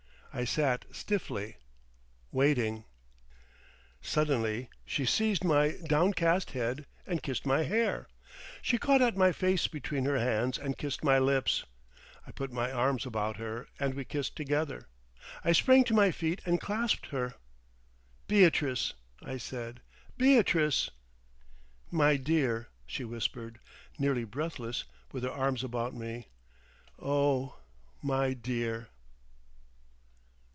I sat stiffly—waiting. Suddenly she seized my downcast head and kissed my hair. She caught at my face between her hands and kissed my lips. I put my arms about her and we kissed together. I sprang to my feet and clasped her. "Beatrice!" I said. "Beatrice!" "My dear," she whispered, nearly breathless, with her arms about me. "Oh! my dear!"